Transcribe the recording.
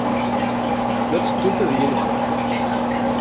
La tteddunt ad iyi-nɣent.